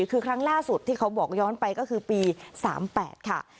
คือครั้งล่าสุดที่เขาบอกย้อนไปก็คือปี๓๘ค่ะ